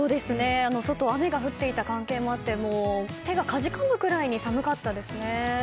外、雨が降っていた関係もあって手がかじかむくらいに寒かったですね。